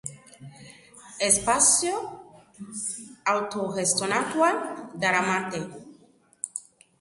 Espazio autogestionatua daramate.